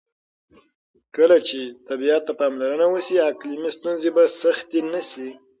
کله چې طبیعت ته پاملرنه وشي، اقلیمي ستونزې به سختې نه شي.